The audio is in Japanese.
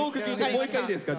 もう一回いいですか？